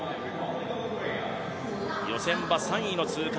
予選は３位の通過。